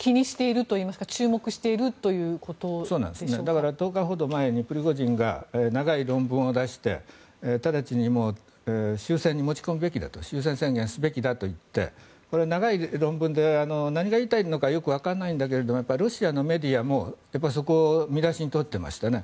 だから１０日ほど前にプリゴジン氏が長い論文を出して直ちに終戦に持ち込むべきだと終戦宣言すべきだと言ってこれは長い論文で何が言いたいのかよくわからないんだけどロシアのメディアもそこを見出しに取ってましたね。